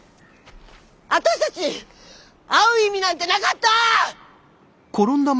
私たち会う意味なんてなかった！